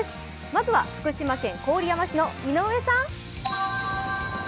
まずは福島県郡山市の井上さん。